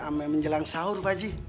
amai menjelang sahur pak ji